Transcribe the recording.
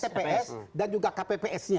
tps dan juga kpps nya